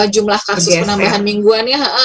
jumlah kasus penambahan mingguannya